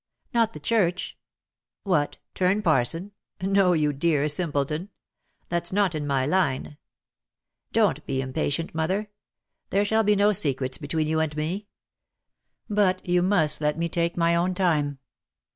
"Not the church?" "What? Turn parson? No, you dear simpleton. That's not in my line. Don't be impatient, mother. There shall be no secrets between you and me. But you must let me take my own time."